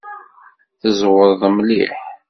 Tzewṛeḍ mliḥ!